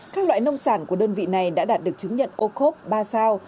các loại nông sản của đơn vị này đã đạt được chứng nhận ô khốp ba sao